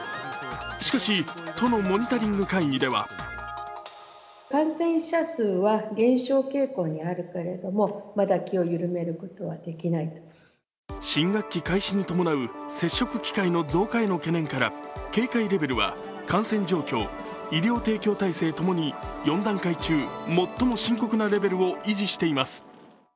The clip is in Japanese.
しかし、都のモニタリング会議では新学期開始に伴う接触機会の増加への懸念から警戒レベルは感染状況、医療提供体制ともに４段階中、最も深刻なレベルを維持しています。